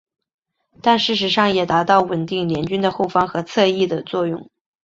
但事实上也达到稳定联军的后方和侧翼的作用。